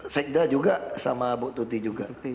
sekda juga sama bu tuti juga